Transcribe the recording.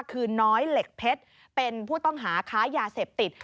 คือน้อยเหล็กเพชรเป็นผู้ต้องหาค้ายาเสพติด